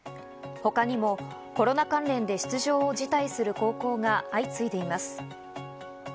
他にもコロナ関連で出場を辞退する高校が相次いでいます。